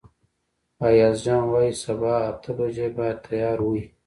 ایاز جان وايي سبا اته بجې باید تیار وئ.